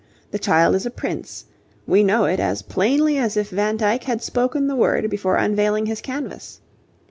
The child is a prince: we know it as plainly as if Van Dyck had spoken the word before unveiling his canvas.